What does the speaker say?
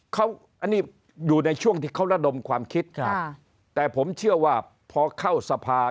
เขาอันนี้อยู่ในช่วงที่เขาระดมความคิดครับแต่ผมเชื่อว่าพอเข้าสภา